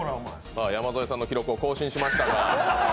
さあ、山添さんの記録を更新いたしましたが。